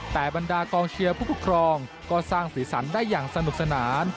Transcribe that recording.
แต่บรรดากองเชียร์ผู้ปกครองก็สร้างสีสันได้อย่างสนุกสนาน